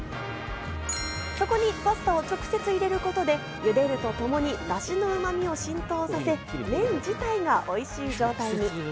そこにパスタを直接入れることで茹でるとともに、だしのうまみを浸透させ、麺自体がおいしい状態に。